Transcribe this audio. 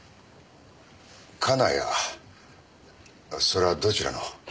それはどちらの？